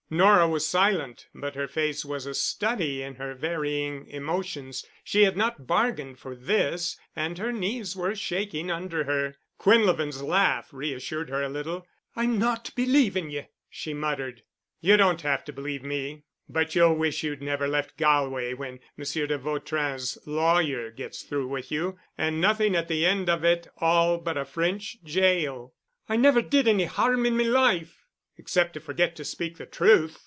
Nora was silent but her face was a study in her varying emotions. She had not bargained for this, and her knees were shaking under her. Quinlevin's laugh reassured her a little. "I'm not believin' ye——" she muttered. "You don't have to believe me—but you'll wish you'd never left Galway when Monsieur de Vautrin's lawyer gets through with you—and nothing at the end of it all but a French jail." "I never did any harm in me life." "Except to forget to speak the truth.